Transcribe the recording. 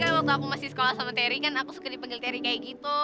waktu aku masih sekolah sama terry kan aku suka dipanggil teri kayak gitu